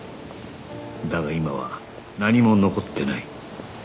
だが今は何も残ってない